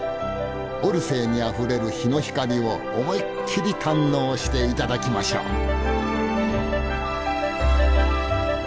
オルセーにあふれる日の光を思いっきり堪能して頂きましょう。